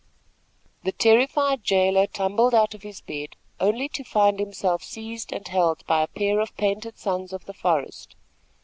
The terrified jailer tumbled out of his bed, only to find himself seized and held by a pair of painted sons of the forest.